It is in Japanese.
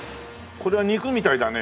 これは肉みたいだね。